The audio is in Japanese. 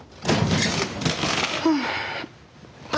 ああ！